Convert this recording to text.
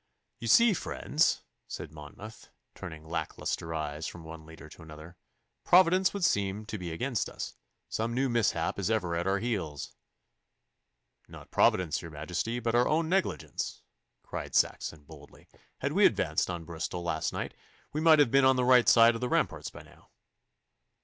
'You see, friends,' said Monmouth, turning lack lustre eyes from one leader to another, 'Providence would seem to be against us. Some new mishap is ever at our heels.' 'Not Providence, your Majesty, but our own negligence,' cried Saxon boldly. 'Had we advanced on Bristol last night, we might have been on the right side of the ramparts by now.